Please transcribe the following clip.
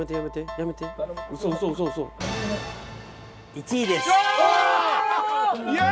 １位です。